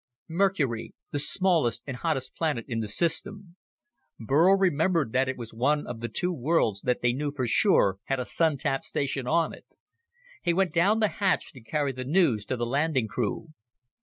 Mercury, the smallest and hottest planet in the system. Burl remembered that it was one of the two worlds that they knew for sure had a Sun tap station on it. He went down the hatch to carry the news to the landing crew.